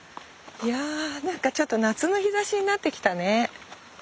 いや何かちょっと夏の日ざしになってきたね